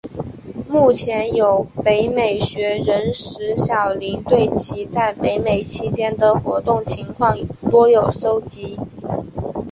目前有北美学人石晓宁对其在北美期间的活动情况多有搜辑。